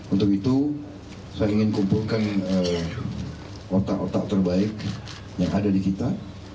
untuk itu saya ingin kumpulkan otak otak terbaik yang ada di kita